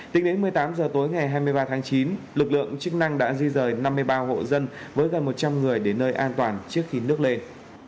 tính đến một mươi tám h tối ngày hai mươi ba tháng chín lực lượng chức năng đã di rời năm mươi ba hộ dân với gần một trăm linh người đến nơi an toàn trước khi nước lên